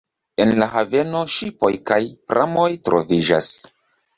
En la haveno ŝipoj kaj pramoj troviĝas.